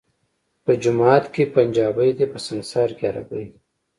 په جماعت کي پنجابی دی ، په سنګسار کي عربی دی